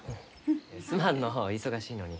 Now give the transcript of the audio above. すまんのう忙しいのに。